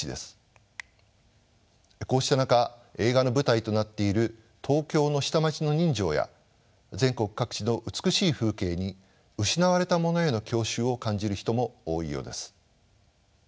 こうした中映画の舞台となっている東京の下町の人情や全国各地の美しい風景に失われたものへの郷愁を感じる人も多いようです。